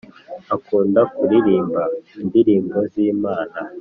akunda kuririmba indirimbo zi Imana